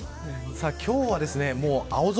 今日は、もう青空。